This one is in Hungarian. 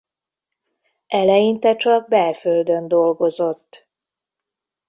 Eleinte csak belföldön dolgozott.